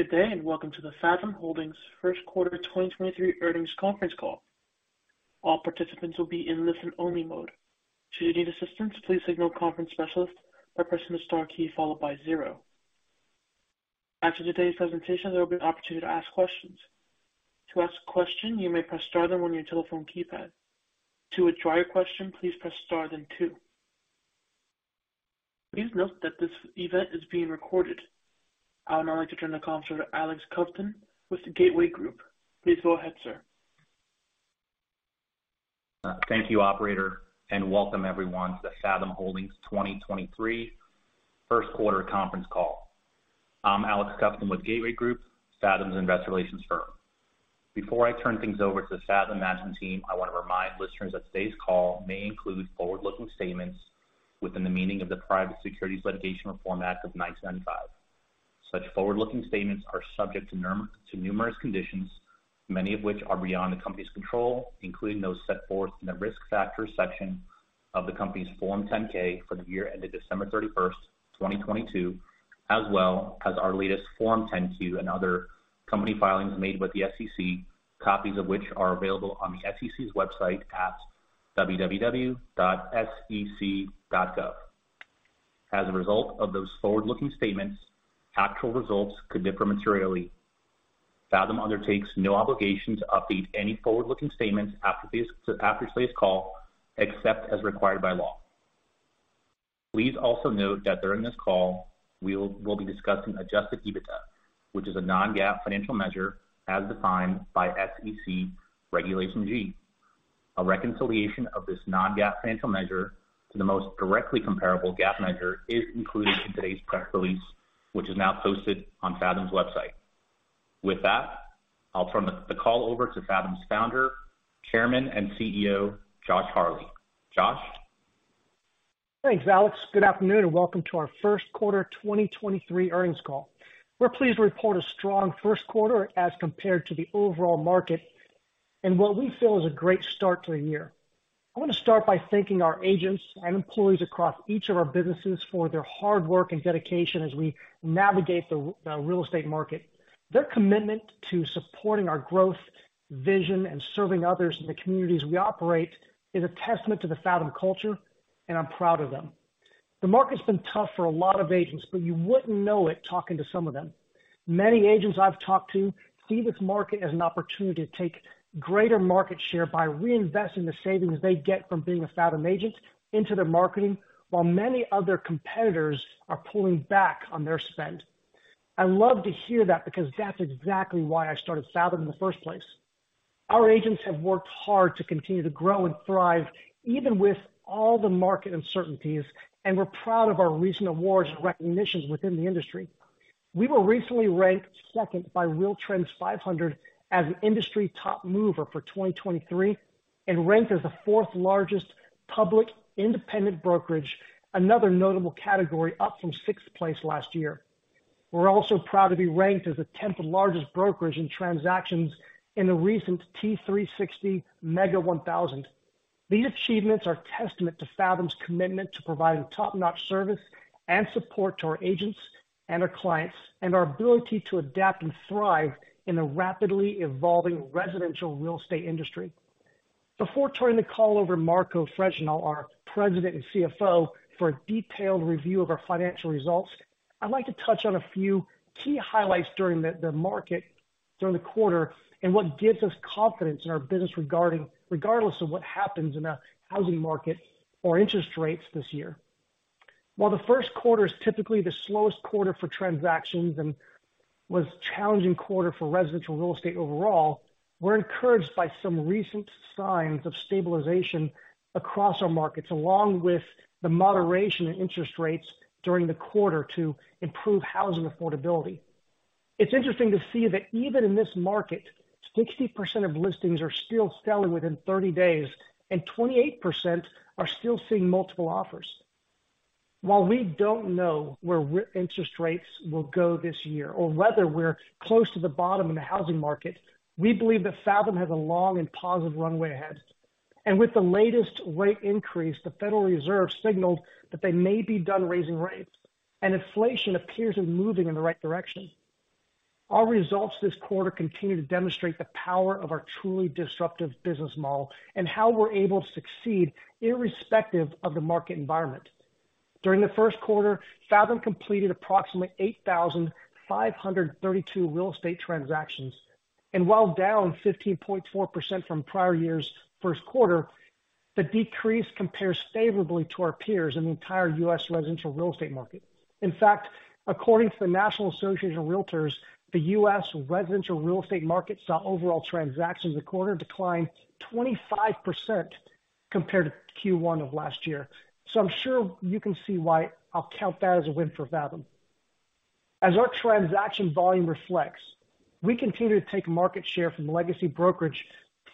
Good day, welcome to the Fathom Holdings Q1 2023 Earnings Conference Call. All participants will be in listen-only mode. Should you need assistance, please signal conference specialist by pressing the star key followed by zero. After today's presentation, there will be an opportunity to ask questions. To ask a question, you may press star then one on your telephone keypad. To withdraw your question, please press star then two. Please note that this event is being recorded. I would now like to turn the call over to Alex Kovtun with the Gateway Group. Please go ahead, sir. Thank you operator. Welcome everyone to Fathom Holdings 2023 Q1 conference call. I'm Alex Kovtun with Gateway Group, Fathom's investor relations firm. Before I turn things over to the Fathom management team, I wanna remind listeners that today's call may include forward-looking statements within the meaning of the Private Securities Litigation Reform Act of 1995. Such forward-looking statements are subject to numerous conditions, many of which are beyond the company's control, including those set forth in the Risk Factors section of the company's Form 10-K for the year ended December 31st, 2022, as well as our latest Form 10-Q and other company filings made with the SEC, copies of which are available on the SEC's website at www.sec.gov. As a result of those forward-looking statements, actual results could differ materially. Fathom undertakes no obligation to update any forward-looking statements after today's call, except as required by law. Please also note that during this call we'll be discussing adjusted EBITDA, which is a non-GAAP financial measure as defined by SEC Regulation G. A reconciliation of this non-GAAP financial measure to the most directly comparable GAAP measure is included in today's press release, which is now posted on Fathom's website. With that, I'll turn the call over to Fathom's founder, chairman, and CEO, Josh Harley. Josh? Thanks, Alex. Good afternoon. Welcome to our Q1 2023 earnings call. We're pleased to report a strong Q1 as compared to the overall market and what we feel is a great start to the year. I wanna start by thanking our agents and employees across each of our businesses for their hard work and dedication as we navigate the real estate market. Their commitment to supporting our growth, vision, and serving others in the communities we operate is a testament to the Fathom culture. I'm proud of them. The market's been tough for a lot of agents. You wouldn't know it talking to some of them. Many agents I've talked to see this market as an opportunity to take greater market share by reinvesting the savings they get from being a Fathom agent into their marketing while many other competitors are pulling back on their spend. I love to hear that because that's exactly why I started Fathom in the first place. Our agents have worked hard to continue to grow and thrive, even with all the market uncertainties, and we're proud of our recent awards and recognitions within the industry. We were recently ranked 2nd by RealTrends 500 as an industry top mover for 2023 and ranked as the 4th largest public independent brokerage, another notable category up from 6th place last year. We're also proud to be ranked as the 10th largest brokerage in transactions in the recent T3 Sixty Mega 1000. These achievements are a testament to Fathom's commitment to providing top-notch service and support to our agents and our clients, our ability to adapt and thrive in a rapidly evolving residential real estate industry. Before turning the call over to Marco Fregenal, our President and CFO, for a detailed review of our financial results, I'd like to touch on a few key highlights during the market during the quarter and what gives us confidence in our business regardless of what happens in the housing market or interest rates this year. While the Q1 is typically the slowest quarter for transactions and was a challenging quarter for residential real estate overall, we're encouraged by some recent signs of stabilization across our markets, along with the moderation in interest rates during the quarter to improve housing affordability. It's interesting to see that even in this market, 60% of listings are still selling within 30 days, and 28% are still seeing multiple offers. While we don't know where interest rates will go this year or whether we're close to the bottom in the housing market, we believe that Fathom has a long and positive runway ahead. With the latest rate increase, the Federal Reserve signaled that they may be done raising rates, and inflation appears to be moving in the right direction. Our results this quarter continue to demonstrate the power of our truly disruptive business model and how we're able to succeed irrespective of the market environment. During the Q1, Fathom completed approximately 8,532 real estate transactions, and while down 15.4% from prior year's Q1, the decrease compares favorably to our peers in the entire U.S. residential real estate market. In fact, according to the National Association of Realtors, the U.S. residential real estate market saw overall transactions this quarter decline 25% compared to Q1 of last year. I'm sure you can see why I'll count that as a win for Fathom. As our transaction volume reflects, we continue to take market share from the legacy brokerage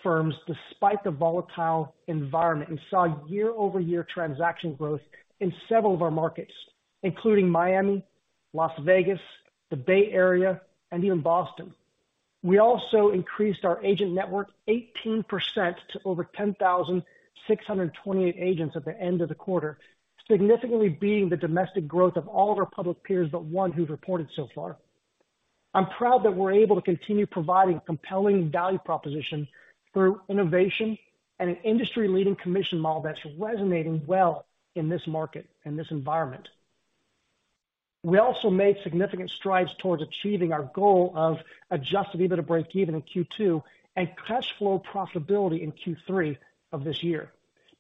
firms despite the volatile environment and saw year-over-year transaction growth in several of our markets, including Miami, Las Vegas, the Bay Area, and even Boston. We also increased our agent network 18% to over 10,628 agents at the end of the quarter, significantly beating the domestic growth of all of our public peers, but one who's reported so far. I'm proud that we're able to continue providing compelling value proposition through innovation and an industry-leading commission model that's resonating well in this market, in this environment. We also made significant strides towards achieving our goal of adjusted EBITDA break-even in Q2 and cash flow profitability in Q3 of this year.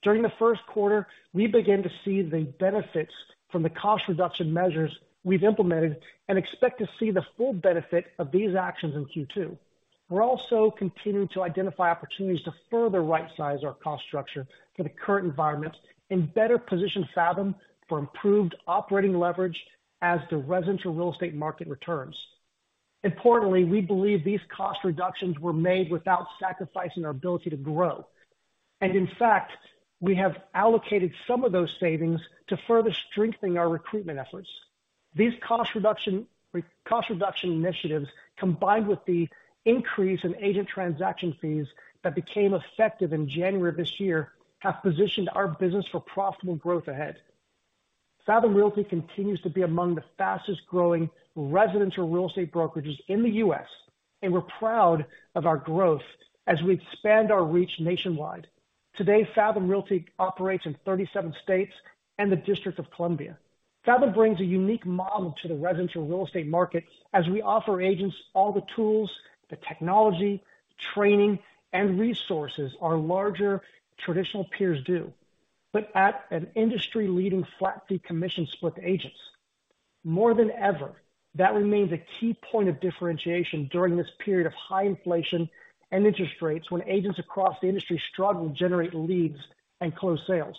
During the Q1, we began to see the benefits from the cost reduction measures we've implemented and expect to see the full benefit of these actions in Q2. We're also continuing to identify opportunities to further right-size our cost structure for the current environment and better position Fathom for improved operating leverage as the residential real estate market returns. Importantly, we believe these cost reductions were made without sacrificing our ability to grow. In fact, we have allocated some of those savings to further strengthening our recruitment efforts. These cost reduction initiatives, combined with the increase in agent transaction fees that became effective in January of this year, have positioned our business for profitable growth ahead. Fathom Realty continues to be among the fastest-growing residential real estate brokerages in the U.S., and we're proud of our growth as we expand our reach nationwide. Today, Fathom Realty operates in 37 states and the District of Columbia. Fathom brings a unique model to the residential real estate market as we offer agents all the tools, the technology, training, and resources our larger traditional peers do at an industry-leading flat fee commission split to agents. More than ever, that remains a key point of differentiation during this period of high inflation and interest rates when agents across the industry struggle to generate leads and close sales.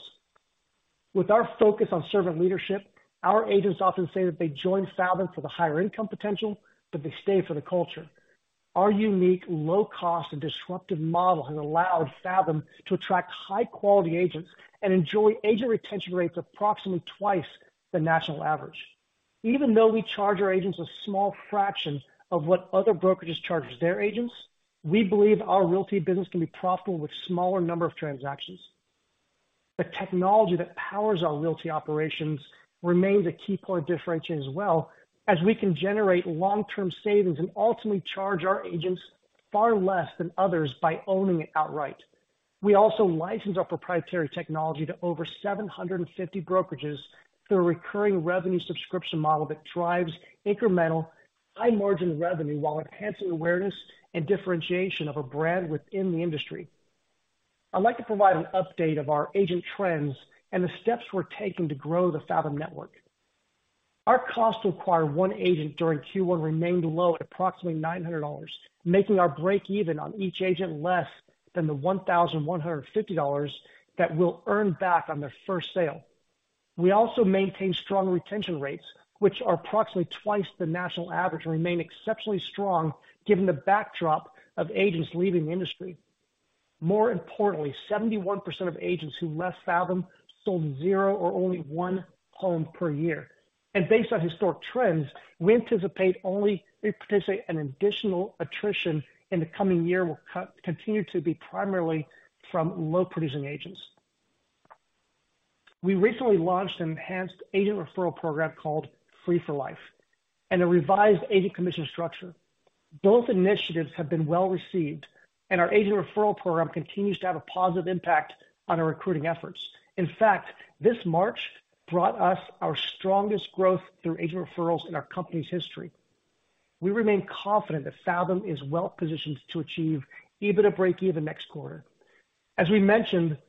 With our focus on servant leadership, our agents often say that they join Fathom for the higher income potential, but they stay for the culture. Our unique, low cost, and disruptive model has allowed Fathom to attract high-quality agents and enjoy agent retention rates approximately twice the national average. Even though we charge our agents a small fraction of what other brokerages charge their agents, we believe our Realty business can be profitable with smaller number of transactions. The technology that powers our Realty operations remains a key point of differentiation as well as we can generate long-term savings and ultimately charge our agents far less than others by owning it outright. We also license our proprietary technology to over 750 brokerages through a recurring revenue subscription model that drives incremental high-margin revenue while enhancing awareness and differentiation of our brand within the industry. I'd like to provide an update of our agent trends and the steps we're taking to grow the Fathom network. Our cost to acquire one agent during Q1 remained low at approximately $900, making our break even on each agent less than the $1,150 that we'll earn back on their first sale. We also maintain strong retention rates, which are approximately twice the national average, and remain exceptionally strong given the backdrop of agents leaving the industry. More importantly, 71% of agents who left Fathom sold zero or only one home per year. Based on historic trends, we anticipate an additional attrition in the coming year will continue to be primarily from low-producing agents. We recently launched an enhanced agent referral program called Free4Life and a revised agent commission structure. Both initiatives have been well-received, and our agent referral program continues to have a positive impact on our recruiting efforts. In fact, this March brought us our strongest growth through agent referrals in our company's history. We remain confident that Fathom is well-positioned to achieve adjusted EBITDA break-even next quarter. As we mentioned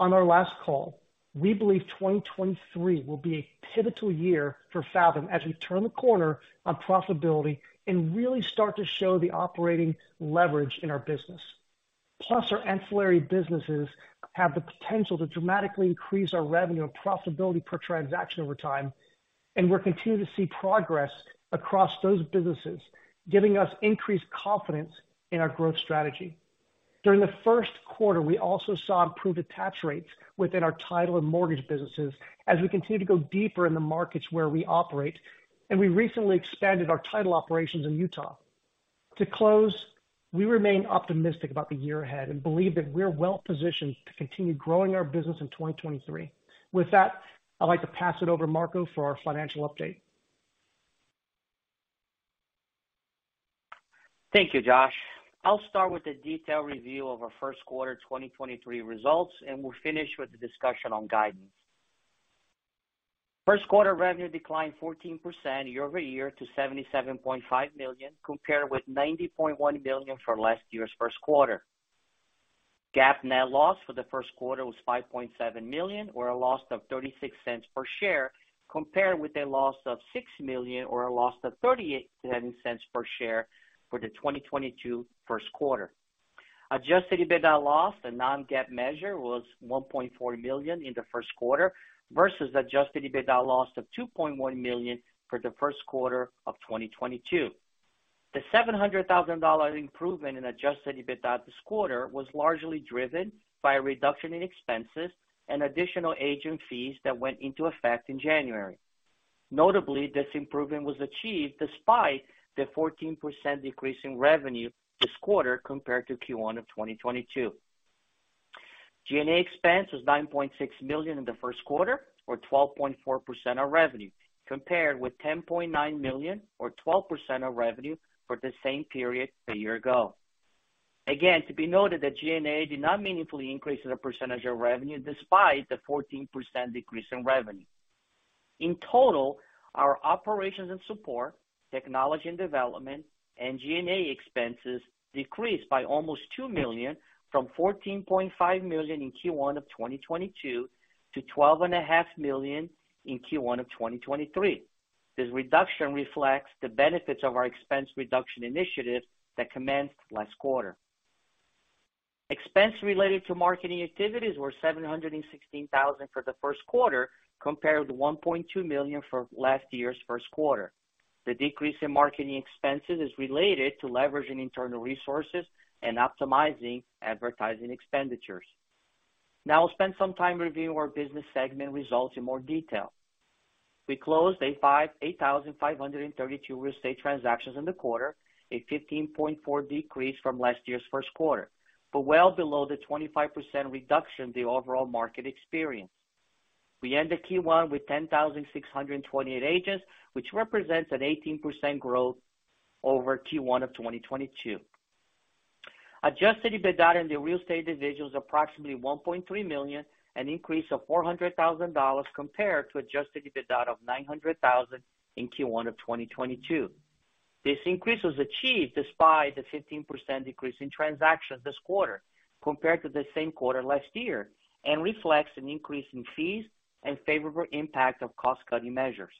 on our last call, we believe 2023 will be a pivotal year for Fathom as we turn the corner on profitability and really start to show the operating leverage in our business. Our ancillary businesses have the potential to dramatically increase our revenue and profitability per transaction over time, and we're continuing to see progress across those businesses, giving us increased confidence in our growth strategy. During the Q1, we also saw improved attach rates within our title and mortgage businesses as we continue to go deeper in the markets where we operate, and we recently expanded our title operations in Utah. To close, we remain optimistic about the year ahead and believe that we're well-positioned to continue growing our business in 2023. With that, I'd like to pass it over to Marco for our financial update. Thank you, Josh. I'll start with a detailed review of our Q1 2023 results. We'll finish with the discussion on guidance. Q1 revenue declined 14% year-over-year to $77.5 million, compared with $90.1 million for last year's Q1. GAAP net loss for the Q1 was $5.7 million, or a loss of $0.36 per share, compared with a loss of $6 million or a loss of $0.38 per share for the 2022 Q1. Adjusted EBITDA loss, a non-GAAP measure, was $1.4 million in the Q1 versus adjusted EBITDA loss of $2.1 million for the Q1 of 2022. The $700,000 improvement in adjusted EBITDA this quarter was largely driven by a reduction in expenses and additional agent fees that went into effect in January. Notably, this improvement was achieved despite the 14% decrease in revenue this quarter compared to Q1 of 2022. G&A expense was $9.6 million in the Q1 or 12.4% of revenue, compared with $10.9 million or 12% of revenue for the same period a year ago. Again, to be noted that GNA did not meaningfully increase as a percentage of revenue despite the 14% decrease in revenue. In total, our operations and support, technology and development, and G&A expenses decreased by almost $2 million from $14.5 million in Q1 of 2022 to twelve and a half million in Q1 of 2023. This reduction reflects the benefits of our expense reduction initiative that commenced last quarter. Expense related to marketing activities were $716,000 for the Q1, compared with $1.2 million for last year's Q1. The decrease in marketing expenses is related to leveraging internal resources and optimizing advertising expenditures. I'll spend some time reviewing our business segment results in more detail. We closed 8,532 real estate transactions in the quarter, a 15.4% decrease from last year's Q1, but well below the 25% reduction the overall market experienced. We ended Q1 with 10,628 agents, which represents an 18% growth over Q1 of 2022. Adjusted EBITDA in the real estate division was approximately $1.3 million, an increase of $400,000 compared to adjusted EBITDA of $900,000 in Q1 of 2022. This increase was achieved despite the 15% decrease in transactions this quarter compared to the same quarter last year, and reflects an increase in fees and favorable impact of cost-cutting measures.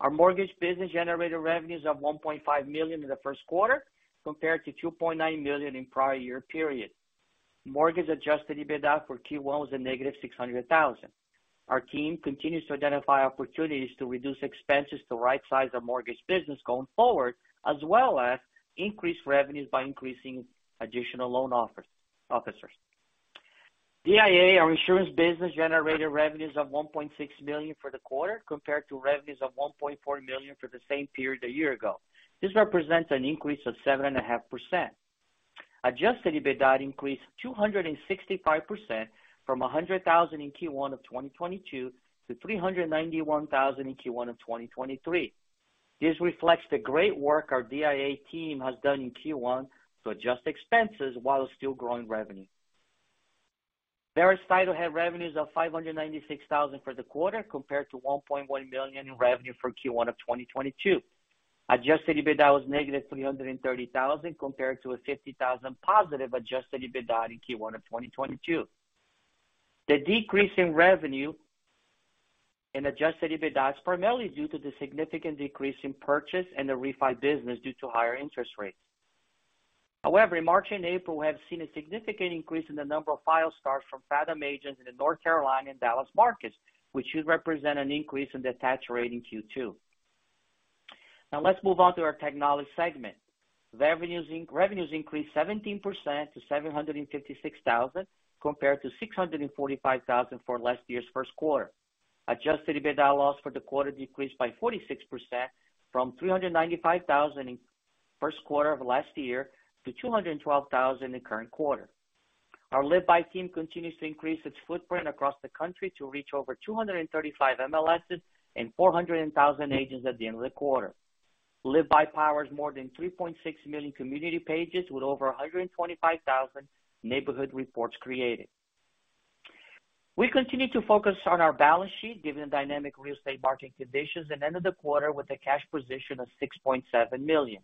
Our mortgage business generated revenues of $1.5 million in the Q1, compared to $2.9 million in prior-year period. Mortgage adjusted EBITDA for Q1 was -$600,000. Our team continues to identify opportunities to reduce expenses to right-size the mortgage business going forward, as well as increase revenues by increasing additional loan officers. DIA, our insurance business, generated revenues of $1.6 million for the quarter, compared to revenues of $1.4 million for the same period a year ago. This represents an increase of 7.5%. Adjusted EBITDA increased 265% from $100,000 in Q1 of 2022 to $391,000 in Q1 of 2023. This reflects the great work our DIA team has done in Q1 to adjust expenses while still growing revenue. Veros Title had revenues of $596,000 for the quarter, compared to $1.1 million in revenue for Q1 of 2022. Adjusted EBITDA was negative $330,000, compared to a $50,000 positive Adjusted EBITDA in Q1 of 2022. The decrease in revenue and adjusted EBITDA is primarily due to the significant decrease in purchase and the refi business due to higher interest rates. In March and April, we have seen a significant increase in the number of file starts from Fathom agents in the North Carolina and Dallas markets, which should represent an increase in attach rate in Q2. Let's move on to our technology segment. Revenues increased 17% to $756,000, compared to $645,000 for last year's Q1. Adjusted EBITDA loss for the quarter decreased by 46% from $395,000 in Q1 of last year to $212,000 in the current quarter. Our LiveBy team continues to increase its footprint across the country to reach over 235 MLSs and 400 and 1,000 agents at the end of the quarter. LiveBy powers more than 3.6 million community pages with over 125,000 neighborhood reports created. We continue to focus on our balance sheet given the dynamic real estate market conditions and ended the quarter with a cash position of $6.7 million.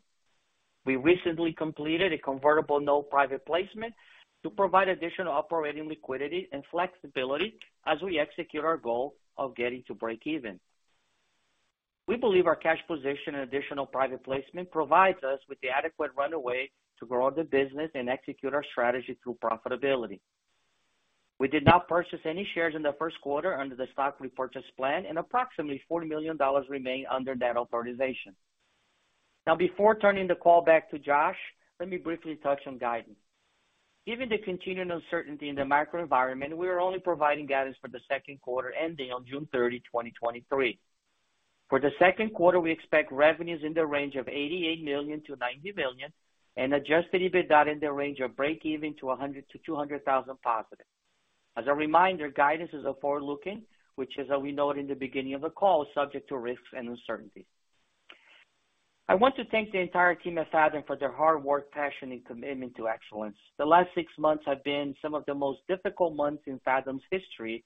We recently completed a convertible note private placement to provide additional operating liquidity and flexibility as we execute our goal of getting to breakeven. We believe our cash position and additional private placement provides us with the adequate runway to grow the business and execute our strategy through profitability. We did not purchase any shares in the Q1 under the stock repurchase plan. Approximately $40 million remain under that authorization. Before turning the call back to Josh, let me briefly touch on guidance. Given the continuing uncertainty in the macro environment, we are only providing guidance for the Q2 ending on June 30, 2023. For the Q2, we expect revenues in the range of $88 million-$90 million and adjusted EBITDA in the range of breakeven to $100,000-$200,000 positive. As a reminder, guidance is a forward-looking, which as we noted in the beginning of the call, is subject to risks and uncertainties. I want to thank the entire team at Fathom for their hard work, passion, and commitment to excellence. The last six months have been some of the most difficult months in Fathom's history.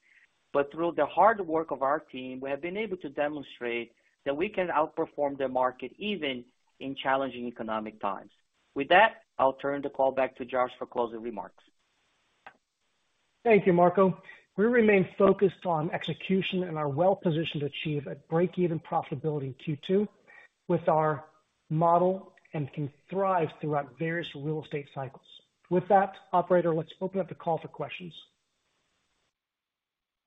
Through the hard work of our team, we have been able to demonstrate that we can outperform the market even in challenging economic times. With that, I'll turn the call back to Josh for closing remarks. Thank you, Marco. We remain focused on execution and are well-positioned to achieve a breakeven profitability in Q2 with our model and can thrive throughout various real estate cycles. With that, operator, let's open up the call for questions.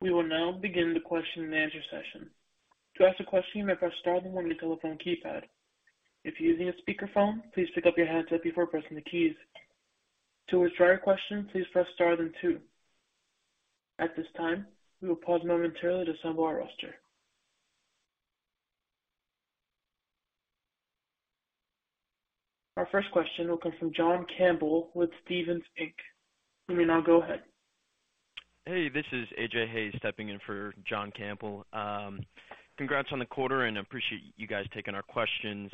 We will now begin the question and answer session. To ask a question, you may press star one on your telephone keypad. If you're using a speakerphone, please pick up your handset before pressing the keys. To withdraw your question, please press star then 2. At this time, we will pause momentarily to assemble our roster. Our first question will come from John Campbell with Stephens Inc. You may now go ahead. Hey, this is A.J. Heise stepping in for John Campbell. Congrats on the quarter, appreciate you guys taking our questions.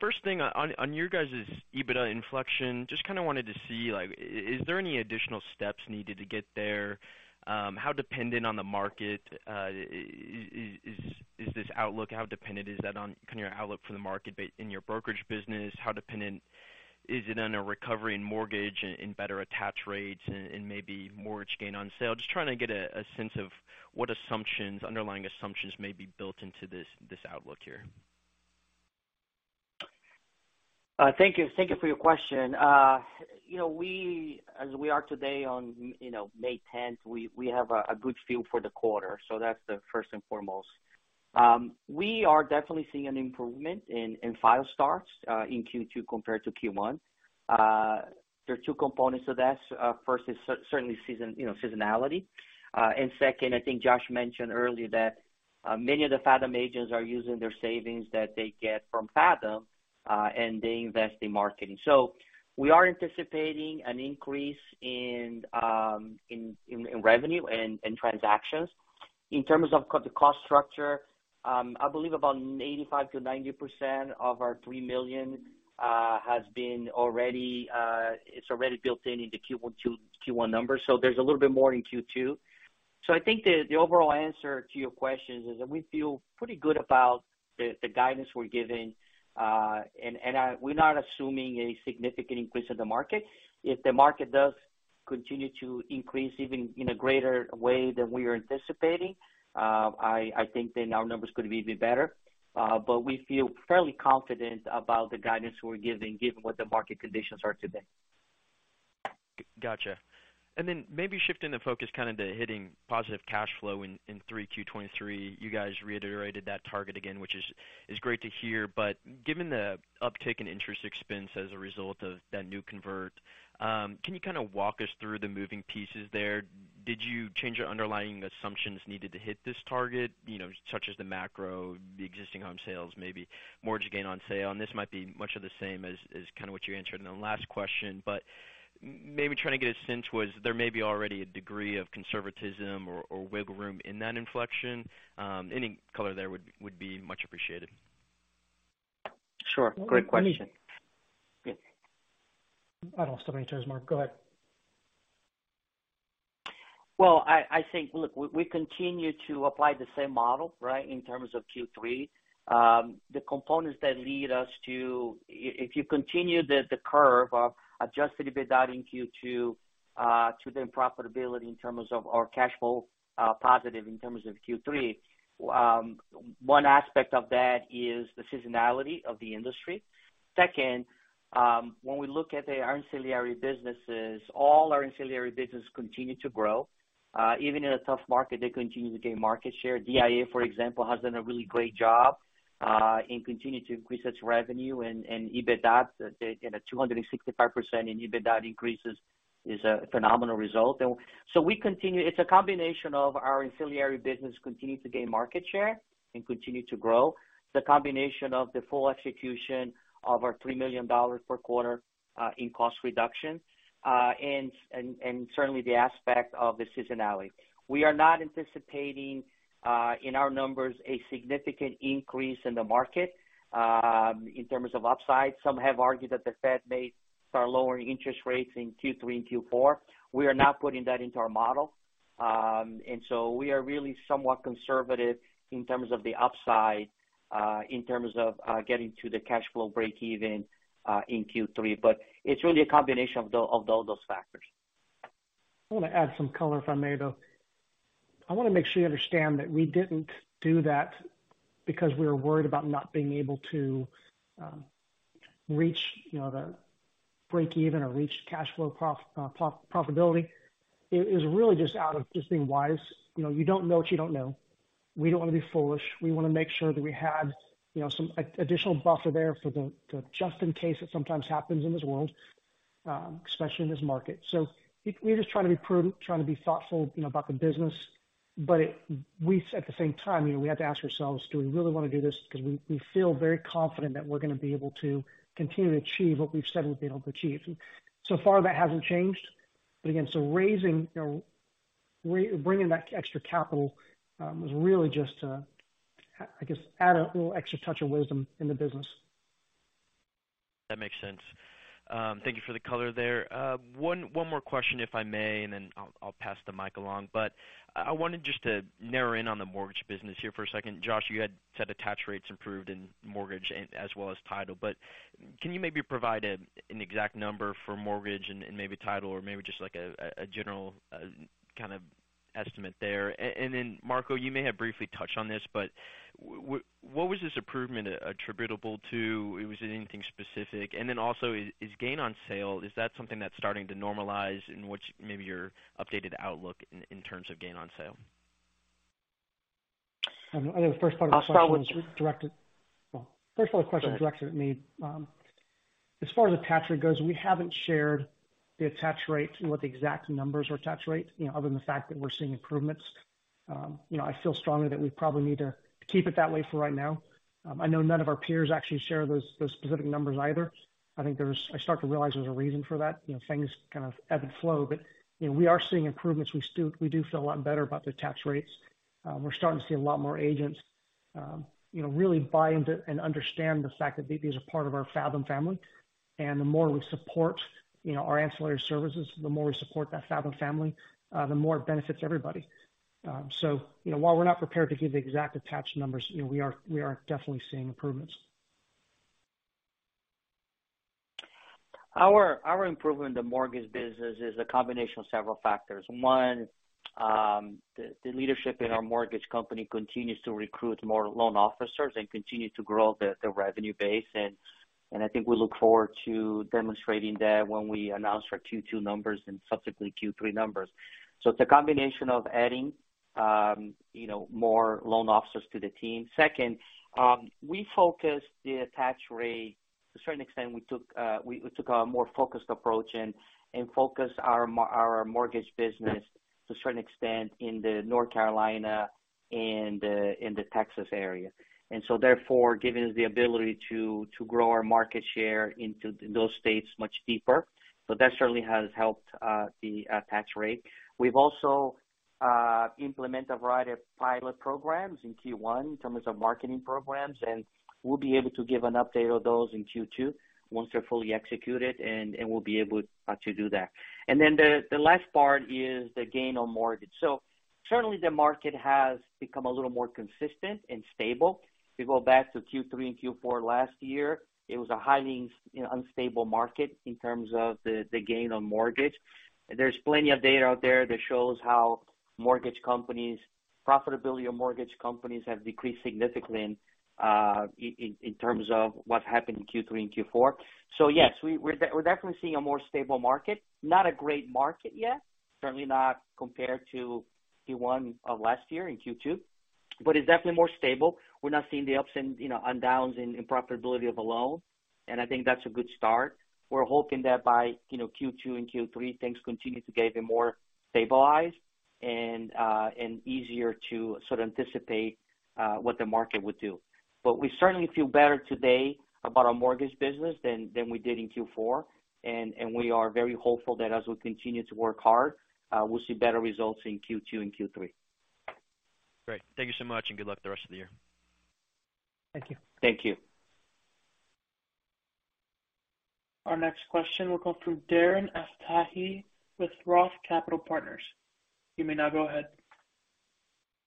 First thing on your guys' EBITDA inflection, just kind of wanted to see, like, is there any additional steps needed to get there? How dependent on the market, is this outlook? How dependent is that on kind of your outlook for the market in your brokerage business? How dependent is it on a recovery in mortgage and better attach rates and maybe mortgage gain on sale? Just trying to get a sense of what assumptions, underlying assumptions may be built into this outlook here. Thank you. Thank you for your question. You know, as we are today on, you know, May 10th, we have a good feel for the quarter. That's the first and foremost. We are definitely seeing an improvement in file starts in Q2 compared to Q1. There are two components to this. First is certainly season, you know, seasonality. Second, I think Josh mentioned earlier that many of the Fathom agents are using their savings that they get from Fathom, and they invest in marketing. We are anticipating an increase in revenue and transactions. In terms of the cost structure, I believe about 85%-90% of our $3 million has been already, it's already built in the Q1 numbers, so there's a little bit more in Q2. I think the overall answer to your question is that we feel pretty good about the guidance we're giving, and we're not assuming a significant increase in the market. If the market does continue to increase even in a greater way than we are anticipating, I think then our numbers could be even better. We feel fairly confident about the guidance we're giving given what the market conditions are today. Gotcha. Then maybe shifting the focus kind of to hitting positive cash flow in 3Q23. You guys reiterated that target again, which is great to hear. Given the uptick in interest expense as a result of that new convert, can you kind of walk us through the moving pieces there? Did you change your underlying assumptions needed to hit this target, you know, such as the macro, the existing home sales, maybe mortgage gain on sale? This might be much of the same as kind of what you answered in the last question, but maybe trying to get a sense was there may be already a degree of conservatism or wiggle room in that inflection. Any color there would be much appreciated. Sure. Great question. Let me- Go ahead. I don't want to step on your toes, Marco. Go ahead. Well, I think, look, we continue to apply the same model, right, in terms of Q3. The components that lead us to if you continue the curve of adjusted EBITDA in Q2, to the profitability in terms of our cash flow, positive in terms of Q3, one aspect of that is the seasonality of the industry. Second, when we look at the ancillary businesses, all our ancillary business continue to grow. Even in a tough market, they continue to gain market share. DIA, for example, has done a really great job in continuing to increase its revenue and EBITDA. A 265% in EBITDA increases is a phenomenal result. It's a combination of our ancillary business continuing to gain market share and continue to grow. The combination of the full execution of our $3 million per quarter in cost reduction, and certainly the aspect of the seasonality. We are not anticipating in our numbers, a significant increase in the market in terms of upside. Some have argued that the Fed may start lowering interest rates in Q3 and Q4. We are not putting that into our model. We are really somewhat conservative in terms of the upside in terms of getting to the cash flow breakeven in Q3. It's really a combination of all those factors. I want to add some color if I may, though. I wanna make sure you understand that we didn't do that because we were worried about not being able to reach, you know, the breakeven or reach cash flow profitability. It is really just out of just being wise. You know, you don't know what you don't know. We don't want to be foolish. We wanna make sure that we had, you know, some additional buffer there for the just in case it sometimes happens in this world, especially in this market. We're just trying to be prudent, trying to be thoughtful, you know, about the business. We at the same time, you know, we have to ask ourselves, do we really wanna do this? Because we feel very confident that we're gonna be able to continue to achieve what we've said we've been able to achieve. So far, that hasn't changed. Again, so raising, you know, bringing that extra capital, was really just to, I guess, add a little extra touch of wisdom in the business. That makes sense. Thank you for the color there. One more question, if I may, and then I'll pass the mic along. I wanted just to narrow in on the mortgage business here for a second. Josh, you had said attached rates improved in mortgage as well as title, but can you maybe provide an exact number for mortgage and maybe title or maybe just like a general kind of estimate there? Marco, you may have briefly touched on this, but what was this improvement attributable to? Was it anything specific? Also, is gain on sale, is that something that's starting to normalize? What's maybe your updated outlook in terms of gain on sale? First part of the question was directed at me. As far as attach rate goes, we haven't shared the attach rate and what the exact numbers or attach rate, you know, other than the fact that we're seeing improvements. You know, I feel strongly that we probably need to keep it that way for right now. I know none of our peers actually share those specific numbers either. I start to realize there's a reason for that. You know, things kind of ebb and flow, you know, we are seeing improvements. We do feel a lot better about the attach rates. We're starting to see a lot more agents, you know, really buy into and understand the fact that BB is a part of our Fathom family. The more we support, you know, our ancillary services, the more we support that Fathom family, the more it benefits everybody. You know, while we're not prepared to give the exact attach numbers, you know, we are, we are definitely seeing improvements. Our improvement in the mortgage business is a combination of several factors. One, the leadership in our mortgage company continues to recruit more loan officers and continue to grow the revenue base. I think I look forward to demonstrating that when we announce our Q2 numbers and subsequently Q3 numbers. It's a combination of adding, you know, more loan officers to the team. Second, we focus the attach rate. To a certain extent, we took a more focused approach and focused our mortgage business to a certain extent in the North Carolina and in the Texas area. Therefore giving us the ability to grow our market share into those states much deeper. That certainly has helped the attach rate. We've also implement a variety of pilot programs in Q1 in terms of marketing programs, and we'll be able to give an update of those in Q2 once they're fully executed, and we'll be able to do that. The last part is the gain on mortgage. Certainly the market has become a little more consistent and stable. If you go back to Q3 and Q4 last year, it was a highly, you know, unstable market in terms of the gain on mortgage. There's plenty of data out there that shows how profitability of mortgage companies have decreased significantly in terms of what happened in Q3 and Q4. Yes, we're definitely seeing a more stable market, not a great market yet, certainly not compared to Q1 of last year in Q2, but it's definitely more stable. We're not seeing the ups and, you know, and downs in profitability of a loan, and I think that's a good start. We're hoping that by, you know, Q2 and Q3 things continue to get even more stabilized and easier to sort of anticipate what the market would do. We certainly feel better today about our mortgage business than we did in Q4. We are very hopeful that as we continue to work hard, we'll see better results in Q2 and Q3. Great. Thank you so much and good luck the rest of the year. Thank you. Thank you. Our next question will come from Darren Aftahi with Roth Capital Partners. You may now go ahead.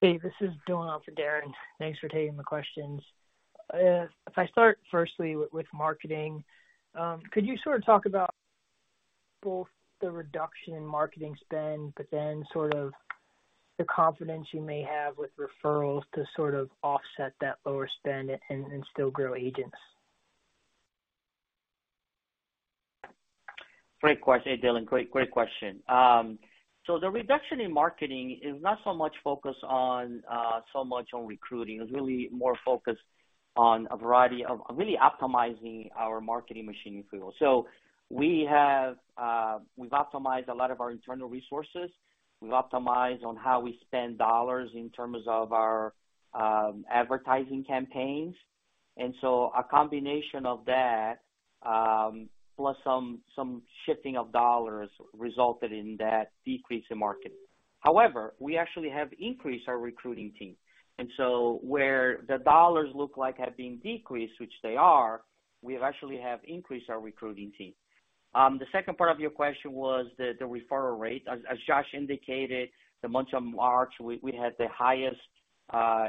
Hey, this is Dylan for Darren. Thanks for taking the questions. If I start firstly with marketing, could you sort of talk about both the reduction in marketing spend, but then sort of the confidence you may have with referrals to sort of offset that lower spend and still grow agents? Great question. Hey, Dylan. Great question. The reduction in marketing is not so much focused on so much on recruiting. It's really more focused on a variety of really optimizing our marketing machine if you will. We have, we've optimized a lot of our internal resources. We've optimized on how we spend dollars in terms of our advertising campaigns. A combination of that, plus some shifting of dollars resulted in that decrease in marketing. However, we actually have increased our recruiting team. Where the dollars look like have been decreased, which they are, we actually have increased our recruiting team. The second part of your question was the referral rate. As Josh indicated, the month of March, we had the highest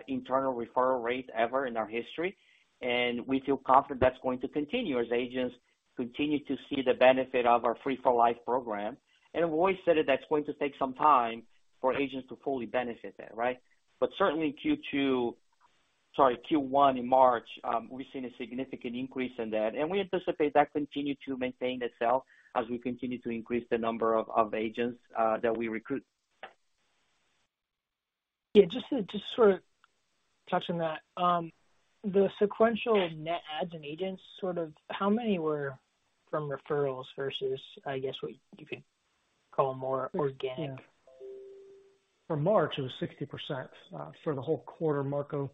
internal referral rate ever in our history, and we feel confident that's going to continue as agents continue to see the benefit of our Free4Life program. We've always said it, that's going to take some time for agents to fully benefit that, right? But certainly in Q1 in March, we've seen a significant increase in that. We anticipate that continue to maintain itself as we continue to increase the number of agents that we recruit. Yeah, just to sort of touch on that. The sequential net adds in agents, sort of how many were from referrals versus, I guess, what you could call more organic? For March, it was 60%. For the whole quarter, Marco,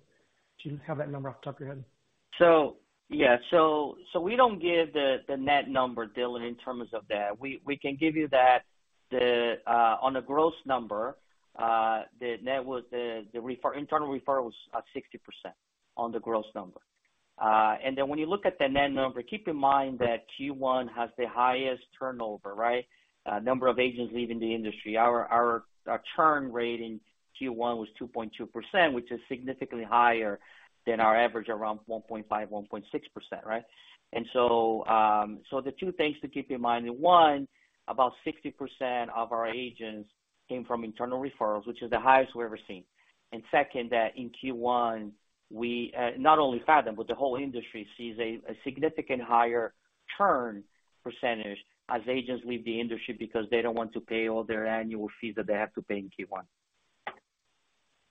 do you have that number off the top of your head? Yeah. We don't give the net number, Dylan, in terms of that. We can give you that on the gross number, the net was the internal referral was at 60% on the gross number. When you look at the net number, keep in mind that Q1 has the highest turnover, right? Number of agents leaving the industry. Our churn rate in Q1 was 2.2%, which is significantly higher than our average around 1.5%-1.6%, right? So the two things to keep in mind, one, about 60% of our agents came from internal referrals, which is the highest we've ever seen. Second, that in Q1, we, not only Fathom, but the whole industry sees a significant higher churn percentage as agents leave the industry because they don't want to pay all their annual fees that they have to pay in Q1.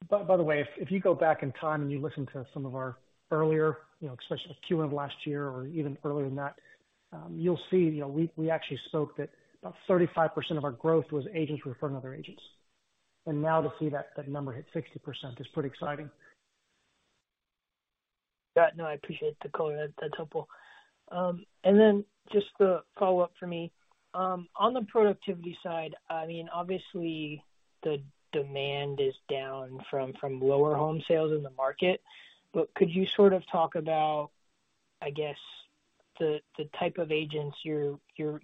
By the way, if you go back in time and you listen to some of our earlier, you know, especially like Q1 of last year or even earlier than that, you'll see, you know, we actually spoke that about 35% of our growth was agents referring other agents. Now to see that number hit 60% is pretty exciting. Yeah, no, I appreciate the color. That's helpful. Then just the follow-up for me. On the productivity side, I mean, obviously the demand is down from lower home sales in the market. Could you sort of talk about, I guess, the type of agents you're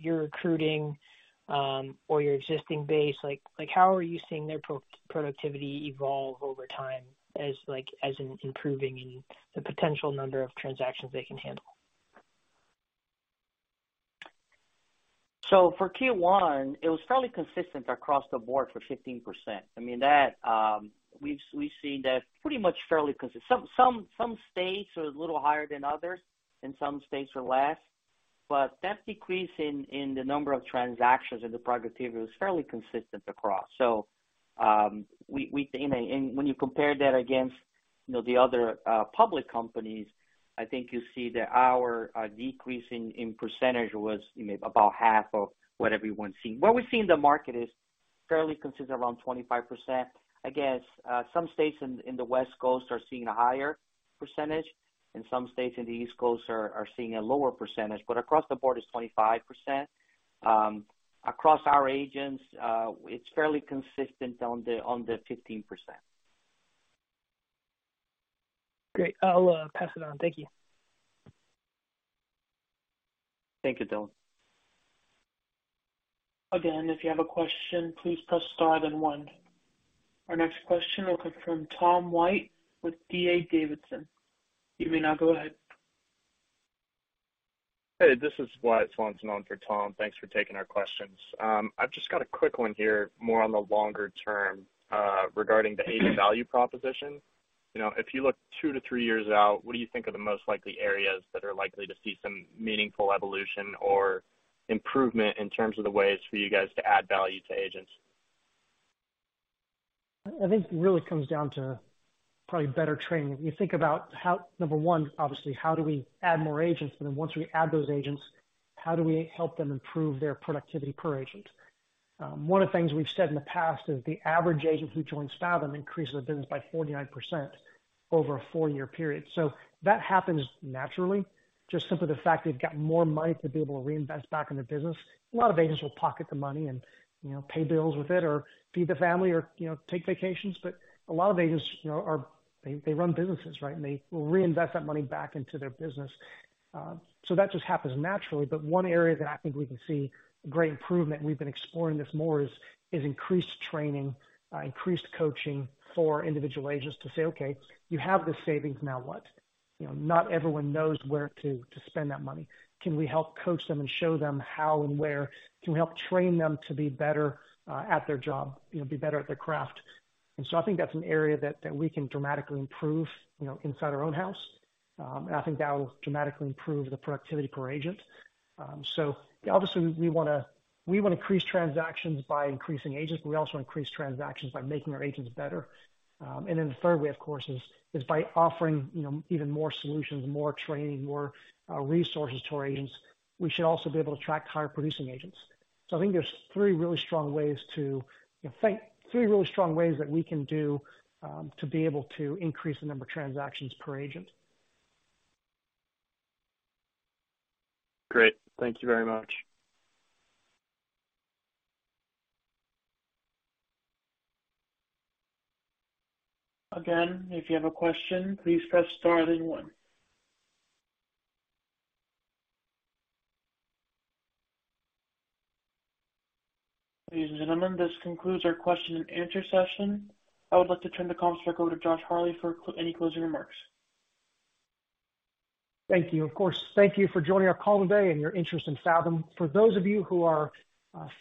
recruiting, or your existing base? Like, how are you seeing their pro-productivity evolve over time as in improving in the potential number of transactions they can handle? For Q1, it was fairly consistent across the board for 15%. I mean that, we've seen that pretty much. Some states are a little higher than others, and some states are less. That decrease in the number of transactions and the productivity was fairly consistent across. When you compare that against, you know, the other public companies, I think you see that our decrease in percentage was, you know, about half of what everyone's seeing. What we see in the market is fairly consistent, around 25%. I guess, some states in the West Coast are seeing a higher percentage, and some states in the East Coast are seeing a lower percentage. Across the board it's 25%. Across our agents, it's fairly consistent on the 15%. Great. I'll, pass it on. Thank you. Thank you, Dylan. If you have a question, please press star then one. Our next question will come from Tom White with D.A. Davidson. You may now go ahead. Hey, this is Wyatt Swanson on for Tom. Thanks for taking our questions. I've just got a quick one here, more on the longer term, regarding the agent value proposition. You know, if you look two to three years out, what do you think are the most likely areas that are likely to see some meaningful evolution or improvement in terms of the ways for you guys to add value to agents? I think it really comes down to probably better training. When you think about number one, obviously, how do we add more agents? Once we add those agents, how do we help them improve their productivity per agent? One of the things we've said in the past is the average agent who joins Fathom increases their business by 49% over a 4-year period. That happens naturally, just simply the fact they've got more money to be able to reinvest back in their business. A lot of agents will pocket the money and, you know, pay bills with it or feed the family or, you know, take vacations. A lot of agents, you know, they run businesses, right? They will reinvest that money back into their business. That just happens naturally. One area that I think we can see great improvement, and we've been exploring this more, is increased training, increased coaching for individual agents to say, "Okay, you have this savings, now what?" You know, not everyone knows where to spend that money. Can we help coach them and show them how and where? Can we help train them to be better at their job, you know, be better at their craft? I think that's an area that we can dramatically improve, you know, inside our own house. I think that will dramatically improve the productivity per agent. Obviously, we wanna increase transactions by increasing agents, but we also increase transactions by making our agents better. Then the third way, of course, is by offering, you know, even more solutions, more training, more resources to our agents. We should also be able to attract higher producing agents. I think there's three really strong ways that we can do to be able to increase the number of transactions per agent. Great. Thank you very much. Again, if you have a question, please press star then one. Ladies and gentlemen, this concludes our question and answer session. I would like to turn the conference back over to Josh Harley for any closing remarks. Thank you. Of course. Thank you for joining our call today and your interest in Fathom. For those of you who are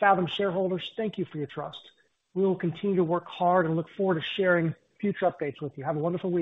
Fathom shareholders, thank you for your trust. We will continue to work hard and look forward to sharing future updates with you. Have a wonderful week.